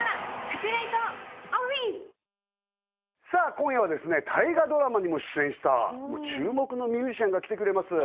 今夜はですね大河ドラマにも出演したもう注目のミュージシャンが来てくれます